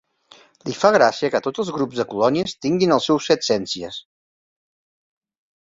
Li fa gràcia que tots els grups de colònies tinguin el seu setciències.